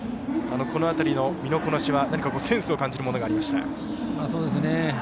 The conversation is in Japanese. この辺りの身のこなしは何かセンスを感じるものがあります。